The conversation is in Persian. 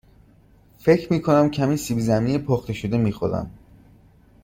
فکر می کنم کمی سیب زمینی پخته شده می خورم.